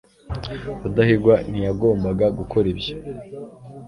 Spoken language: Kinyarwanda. rudahigwa ntiyagombaga gukora ibyo